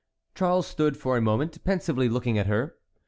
Charles stood for a moment pensively looking at her.